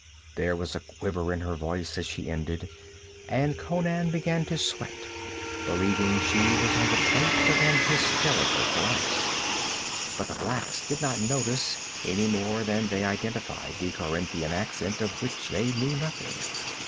There was a quiver in her voice as she ended, and Conan began to sweat, believing she was on the point of an hysterical collapse. But the blacks did not notice, any more than they identified the Corinthian accent, of which they knew nothing.